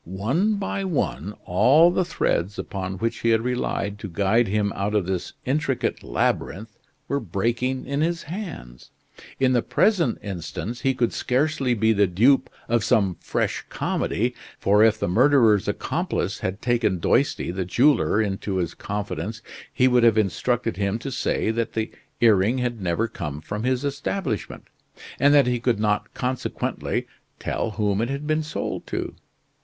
One by one all the threads upon which he had relied to guide him out of this intricate labyrinth were breaking in his hands. In the present instance he could scarcely be the dupe of some fresh comedy, for if the murderer's accomplice had taken Doisty, the jeweler, into his confidence he would have instructed him to say that the earring had never come from his establishment, and that he could not consequently tell whom it had been sold to.